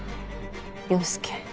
陽佑。